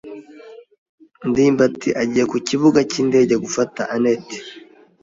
ndimbati agiye ku kibuga cyindege gufata anet.